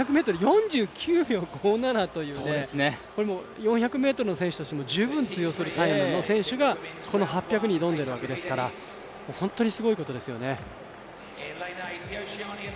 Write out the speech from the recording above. ４００ｍが４９秒５７という、４００ｍの選手としても十分通用するタイムの選手がこの８００に挑んでるわけですから本当にすごいことですよね。